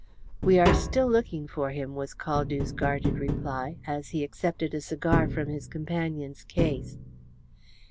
"We are still looking for him," was Caldew's guarded reply, as he accepted a cigar from his companion's case.